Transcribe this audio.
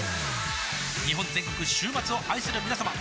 日本全国週末を愛するみなさま